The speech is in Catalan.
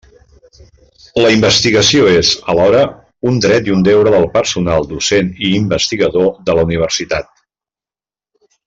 La investigació és, alhora, un dret i un deure del personal docent i investigador de la Universitat.